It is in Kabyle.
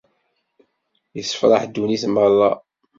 Issefraḥ ddunit merra.